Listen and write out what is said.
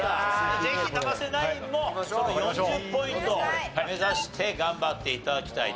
ぜひ生瀬ナインも４０ポイントを目指して頑張って頂きたいと思います。